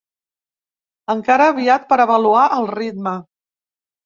Encara aviat per avaluar el ritme.